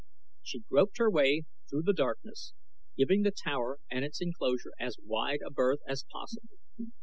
She groped her way through the darkness, giving the tower and its enclosure as wide a berth as possible.